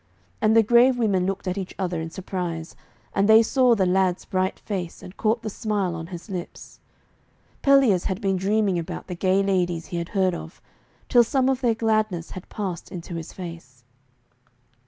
And the grave women looked at each other in surprise, as they saw the lad's bright face and caught the smile on his lips. Pelleas had been dreaming about the gay ladies he had heard of, till some of their gladness had passed into his face.